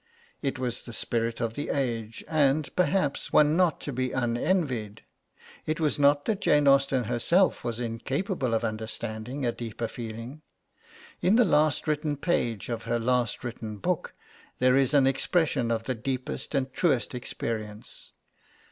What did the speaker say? It was the spirit of the age, and, perhaps, one not to be unenvied. It was not that Jane Austen herself was incapable of understanding a deeper feeling. In the last written page of her last written book, there is an expression of the deepest and truest experience.